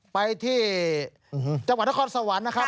ไปที่จังหวัดนครสวรรค์นะครับ